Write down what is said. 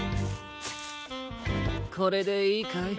これでいいかい？